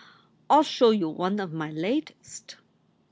I ll show you one of my latest."